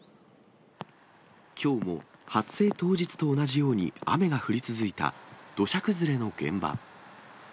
きょうも発生当日と同じように雨が降り続いた土砂崩れの現場。